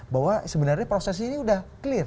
bahwa sebenarnya proses ini sudah clear